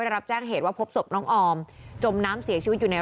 รับแจ้งเหตุว่าพบศพน้องออมจมน้ำเสียชีวิตอยู่ใน